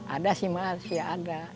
ada sih mas ya ada